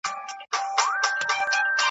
څوک له نومه سره ښخ سول چا کرلي افسانې دي .